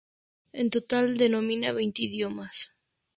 En total domina veinte idiomas.